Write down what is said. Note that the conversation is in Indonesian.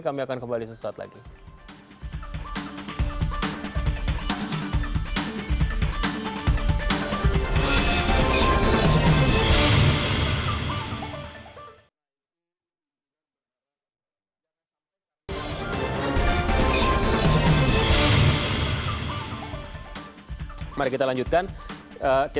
kami akan kembali sesuatu lagi